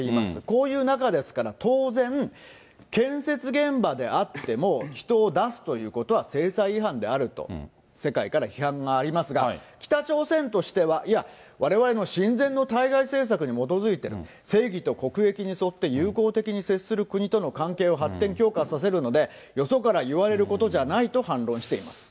こういう中ですから、当然、建設現場であっても、人を出すということは制裁違反であると、世界から批判がありますが、北朝鮮としては、いや、われわれの親善の対外政策に基づいてる、正義と国益に沿って友好的に接する国との関係を発展、強化させるので、よそから言われることじゃないと反論しています。